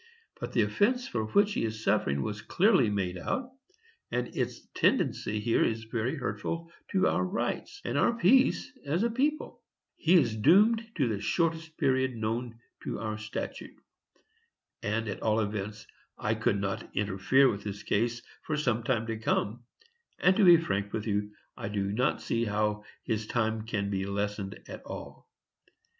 But the offence for which he is suffering was clearly made out, and its tendency here is very hurtful to our rights, and our peace as a people. He is doomed to the shortest period known to our statute. And, at all events, I could not interfere with his case for some time to come; and, to be frank with you, I do not see how his time can be lessened at all.